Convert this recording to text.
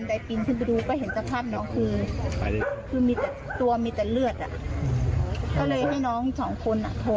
แต่ของมีค่าของน้องที่อยู่ในคอน้องทองอ่ะ